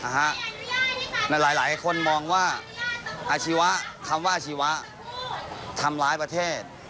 หลายคนมองว่าอาชีวะคำว่าอาชีวะทำร้ายประเทศ